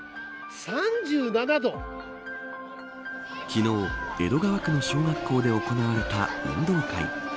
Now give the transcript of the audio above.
昨日、江戸川区の小学校で行われた運動会。